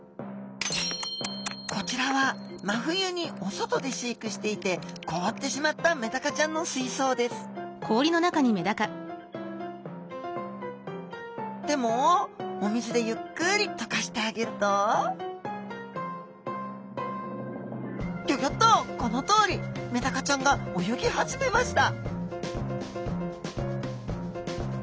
こちらは真冬にお外で飼育していて凍ってしまったメダカちゃんの水槽ですでもお水でゆっくり溶かしてあげるとギョギョッとこのとおりメダカちゃんが泳ぎ始めました！